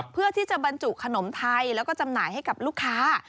เพื่อที่จะบรรจุขนมไทยแล้วก็จำหน่ายให้กับลูกค้า